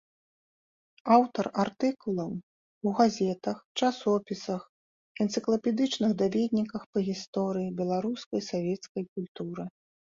Аўтар артыкулаў у газетах, часопісах, энцыклапедычных даведніках па гісторыі беларускай савецкай культуры.